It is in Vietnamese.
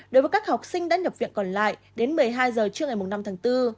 đối với các học sinh đã nhập viện còn lại đến một mươi hai h trưa ngày năm tháng bốn